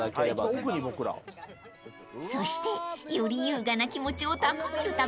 ［そしてより優雅な気持ちを高めるため］